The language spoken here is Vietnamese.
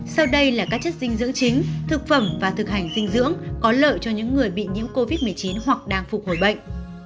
sau đây là các chất dinh dưỡng chính thực phẩm và thực hành dinh dưỡng có lợi cho những người bị nhiễm covid một mươi chín hoặc đang phục hồi bệnh